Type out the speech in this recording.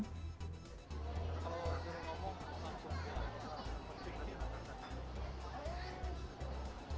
kalau sudah ngomong langsung saja